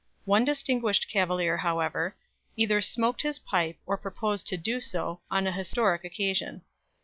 One distinguished cavalier, however, either smoked his pipe, or proposed to do so, on a historic occasion.